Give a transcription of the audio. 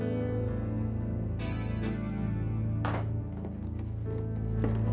urutan gue mabuk